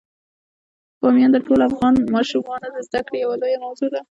بامیان د ټولو افغان ماشومانو د زده کړې یوه لویه موضوع ده.